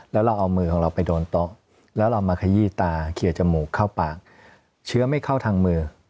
แล้วเราเอามือของเราไปโดนโต๊ะแล้วเรามาขยี้ตาเคลียร์จมูกเข้าปากเชื้อไม่เข้าทางมือ